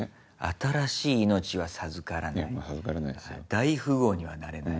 新しい命は授からない大富豪にはなれない。